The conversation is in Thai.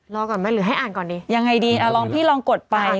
รอก่อนไหมหรือให้อ่านก่อนดียังไงดีลองพี่ลองกดไป